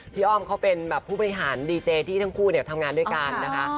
อ้อมเขาเป็นแบบผู้บริหารดีเจที่ทั้งคู่ทำงานด้วยกันนะคะ